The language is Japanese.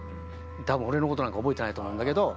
たぶん俺のことなんか覚えてないと思うんだけど。